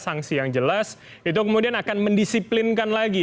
sanksi yang jelas itu kemudian akan mendisiplinkan lagi